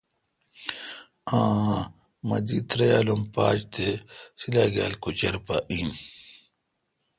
آںآ۔۔مہدیتریال ام پا چ تے°سلاگاَل کچَر پا این